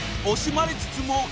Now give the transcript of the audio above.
［惜しまれつつも］